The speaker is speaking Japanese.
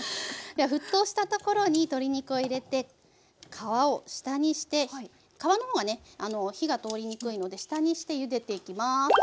では沸騰したところに鶏肉を入れて皮を下にして皮の方がね火が通りにくいので下にしてゆでていきます。